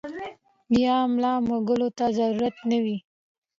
يا ملا مږلو ته ضرورت نۀ وي -